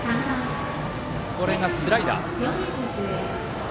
今のがスライダー。